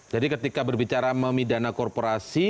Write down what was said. jadi ketika berbicara memidana korporasi